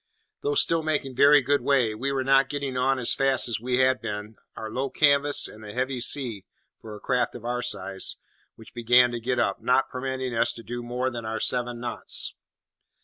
Though still making very good way, we were not getting on so fast as we had been, our low canvas, and the heavy sea (for a craft of our size) which began to get up, not permitting us to do more than our seven knots.